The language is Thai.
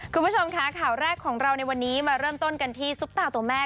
คุณผู้ชมค่ะข่าวแรกของเราในวันนี้มาเริ่มต้นกันที่ซุปตาตัวแม่